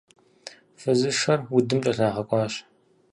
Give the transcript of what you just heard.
Фызышэр удым кӀэлъагъэкӀуащ.